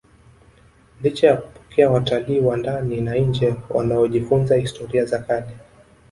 Licha ya kupokea watalii wa ndani na nje wanaojifunza historia za kale